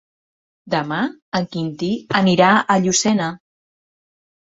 Demà en Quintí anirà a Llucena.